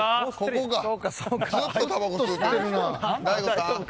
ずっとたばこ吸うてる。